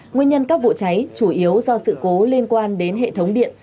nguyên nhân các vụ cháy chủ yếu do sự cố liên quan đến hệ thống điện